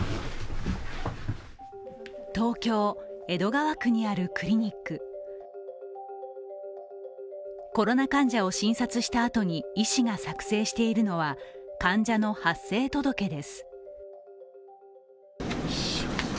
東京・江戸川区にあるクリニックコロナ患者を診察したあとに医師が作成しているのは患者の発生届です。